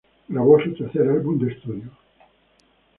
Grabó su tercer álbum de estudio.